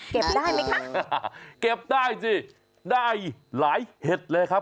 ได้ไหมคะเก็บได้สิได้หลายเห็ดเลยครับ